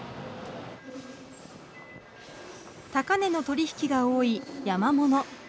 高値の取り引きが多い山もの。